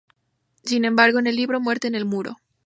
Sin embargo, en el libro "Muerte en el Muro...